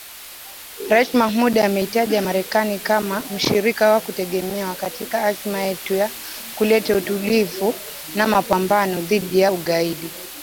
Rais Mohamud ameitaja Marekani kama “mshirika wa kutegemewa katika azma yetu ya kuleta utulivu na mapambano dhidi ya ugaidi”